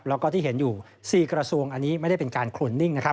แล้วก็ที่เห็นอยู่๔กระทรวงอันนี้ไม่ได้เป็นการโคลนนิ่งนะครับ